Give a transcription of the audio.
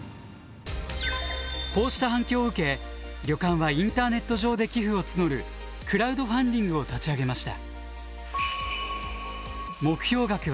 こうした反響を受け旅館はインターネット上で寄付を募るクラウドファンディングを立ち上げました。